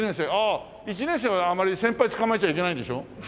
１年生はあんまり先輩捕まえちゃいけないんでしょ？